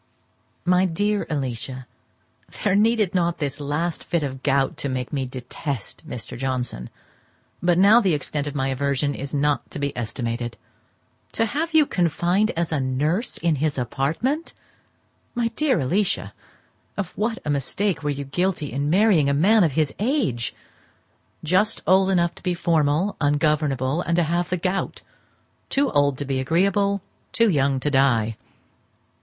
My dear Alicia,—There needed not this last fit of the gout to make me detest Mr. Johnson, but now the extent of my aversion is not to be estimated. To have you confined as nurse in his apartment! My dear Alicia, of what a mistake were you guilty in marrying a man of his age! just old enough to be formal, ungovernable, and to have the gout; too old to be agreeable, too young to die.